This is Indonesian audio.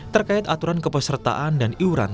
terkait aturan kepesertaan dan iuran